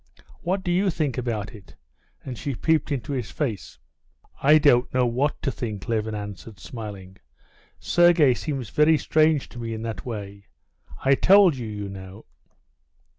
"What do you think about it?" And she peeped into his face. "I don't know what to think," Levin answered, smiling. "Sergey seems very strange to me in that way. I told you, you know...."